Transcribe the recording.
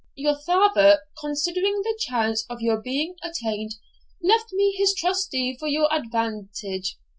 Your father, considering the chance of your being attainted, left me his trustee for your advantage.